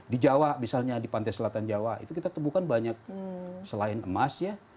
di jawa misalnya di pantai selatan jawa itu kita temukan banyak selain emas ya